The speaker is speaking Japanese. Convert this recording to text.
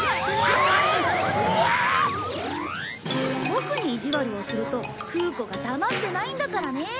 ボクに意地悪をするとフー子が黙ってないんだからね。